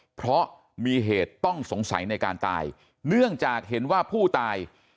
เพราะมีเหตุต้องสงสัยในการตายเนื่องจากเห็นว่าผู้ตาย